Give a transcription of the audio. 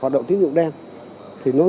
nó sẽ đứng đằng sau